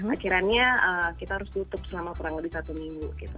akhirnya kita harus tutup selama kurang lebih satu minggu gitu